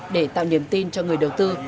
để tạo niềm tin cho người đầu tư